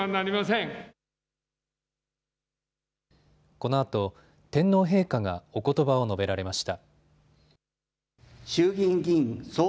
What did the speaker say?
このあと天皇陛下がおことばを述べられました。